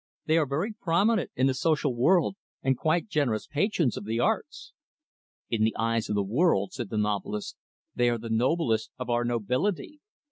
They are very prominent in the social world, and quite generous patrons of the arts?" "In the eyes of the world," said the novelist, "they are the noblest of our Nobility.